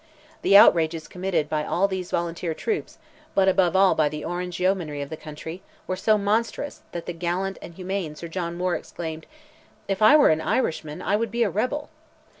The outrages committed by all these volunteer troops, but above all by the Orange yeomanry of the country, were so monstrous, that the gallant and humane Sir John Moore exclaimed, "If I were an Irishman, I would be a rebel!"